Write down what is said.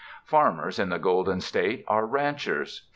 Farmers, in the Golden State, are ''ranchers."